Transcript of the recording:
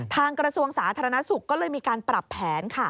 กระทรวงสาธารณสุขก็เลยมีการปรับแผนค่ะ